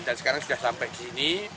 dan sekarang sudah sampai disini